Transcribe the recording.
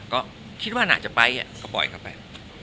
ก็คิดว่าน่าจะไปก็ปล่อยเข้าไป